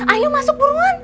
ayo masuk buruan